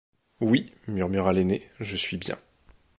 Oui, murmura l’aîné, je suis bien.